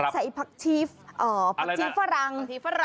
สายผักชีฝรั่ง